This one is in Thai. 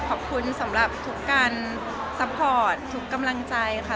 ขอบคุณสำหรับทุกการซัพพอร์ตทุกกำลังใจค่ะ